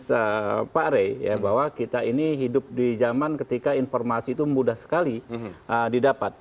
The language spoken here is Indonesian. nah pak rey ya bahwa kita ini hidup di zaman ketika informasi itu mudah sekali didapat